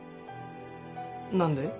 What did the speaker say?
何で？